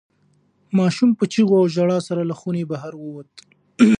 ماشوم په چیغو او ژړا سره له خونې بهر ووت.